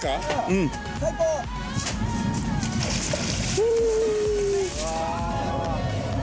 うん！